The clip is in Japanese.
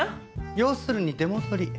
要するに出戻り。